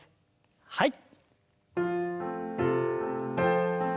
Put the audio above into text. はい。